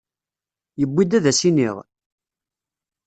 Yewwi-d ad as-iniɣ?